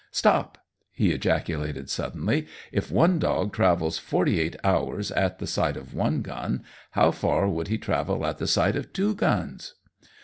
Stop!" he ejaculated suddenly. "If one dog travels forty eight hours at the sight of one gun, how far would he travel at the sight of two guns?